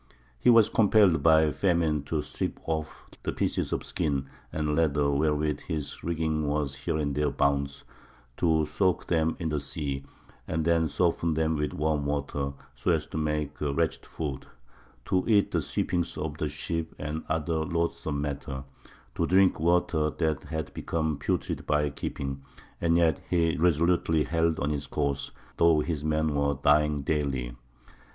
He was compelled by famine to strip off the pieces of skin and leather wherewith his rigging was here and there bound, to soak them in the sea, and then soften them with warm water, so as to make a wretched food; to eat the sweepings of the ship and other loathsome matter; to drink water that had become putrid by keeping; and yet he resolutely held on his course, though his men were dying daily.